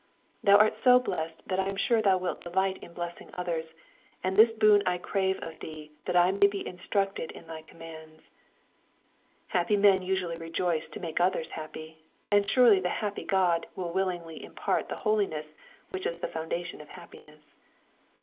Thou art so blessed that I am sure thou wilt delight in blessing others, and this boon I crave of thee that I may be instructed in thy commands. Happy men usuaUy rejoice to make others happy, and surely the happy God will willingly impart the holiness which is the fountain of happiness.